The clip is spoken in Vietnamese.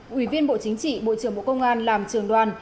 ủy viên bộ chính trị bộ trưởng bộ công an làm trường đoàn